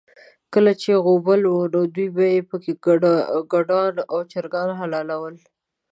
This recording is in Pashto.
کله به چې غوبل و، نو دوی به پکې ګډان او چرګان حلالول.